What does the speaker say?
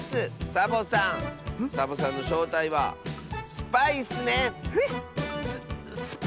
サボさんサボさんのしょうたいはスパイッスね！へ？